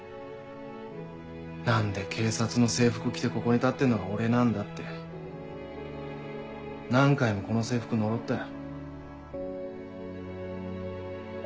何で警察の制服着てここに立ってるのが俺なんだって何回もこの制服呪ったよ。